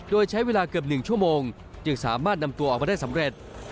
โดยใช้เวลาเกือบ๑ชั่วโมงจึงสามารถนำตัวออกมาได้สำเร็จ